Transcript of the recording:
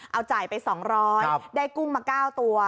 เอาจ่ายไป๒๐๐ได้กุ้งมา๙ตัว